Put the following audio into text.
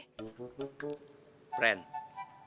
soal dosa itu urus masing masing aja deh